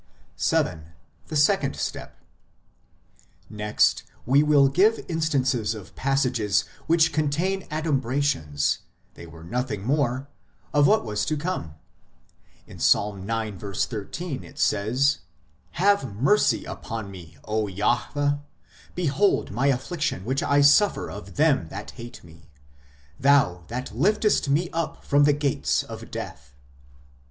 VII. THE SECOND STEP Next we will give instances of passages which contain adumbrations they are nothing more of what was to come. In Ps. ix. 13 (14 in Hebr.) it says :" Have mercy upon me, Jahwe ; behold my affliction which I suffer of them that hate me ; thou that liftest me up from the gates of death."